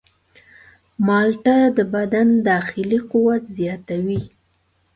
مالټه د بدن داخلي قوت زیاتوي.